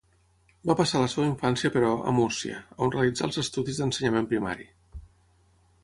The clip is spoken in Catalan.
Va passar la seva infància, però, a Múrcia, on realitzà els estudis d'ensenyament primari.